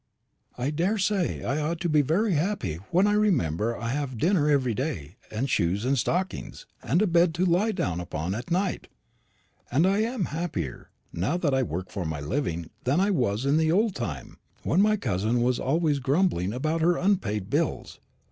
I daresay I ought to be very happy, when I remember that I have dinner every day, and shoes and stockings, and a bed to lie down upon at night; and I am happier, now that I work for my living, than I was in the old time, when my cousin was always grumbling about her unpaid bills.